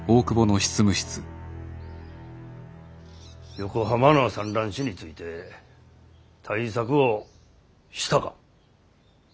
横浜の蚕卵紙について対策をしたか。